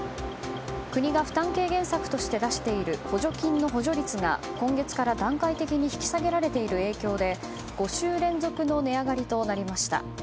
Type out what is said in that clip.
国が負担軽減策として出している補助金の補助率が今月から段階的に引き下げられている影響で５週連続の値上がりとなりました。